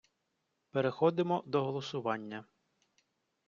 Переходимо до голосування.